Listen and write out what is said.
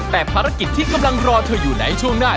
แต่ภารกิจที่กำลังรอเธออยู่ไหนช่วงหน้า